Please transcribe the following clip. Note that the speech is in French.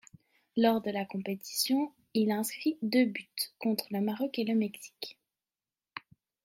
Lors de la compétition, il inscrit deux buts, contre le Maroc et le Mexique.